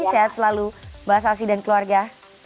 sehat selalu mbak sassi dan keluarga